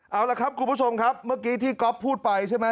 เอาละครับคุณผู้ชมครับเมื่อกี้ที่ก๊อฟพูดไปใช่ไหม